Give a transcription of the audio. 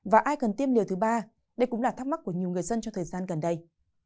và ai cần tiêm điều thứ ba đây cũng là thắc mắc của nhiều người dân trong thời gian gần đây